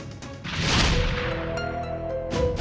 bukankah kau menyaksikan semua itu siang tadi